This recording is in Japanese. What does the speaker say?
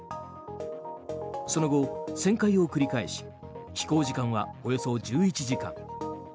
その後、旋回を繰り返し飛行時間はおよそ１１時間。